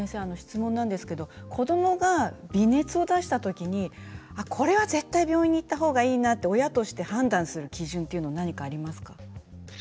子どもが微熱を出したときにこれは絶対、病院に行ったほうがいいなと親として判断する基準は何かありますか。